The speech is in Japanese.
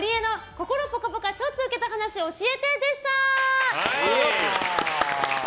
心ぽかぽかちょっとウケた話教えてでした！